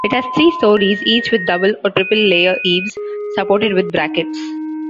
It has three stories, each with double or triple-layer eaves supported with brackets.